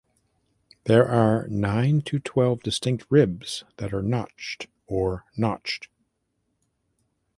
There are nine to twelve distinct ribs that are notched or notched.